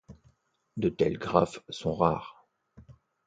De tels graphes sont rares.